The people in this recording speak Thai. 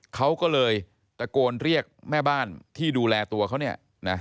เขาก็เลยตะโกนเรียกแม่บ้านที่ดูแลตัวเขาเนี่ยนะ